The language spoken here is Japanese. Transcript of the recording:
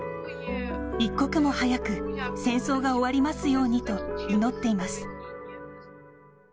一刻も早く戦争が終わりますようにと祈っています。